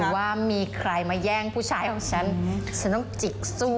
ว่ามีใครมาแย่งผู้ชายของฉันฉันต้องจิกสู้